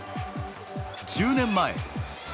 １０年前。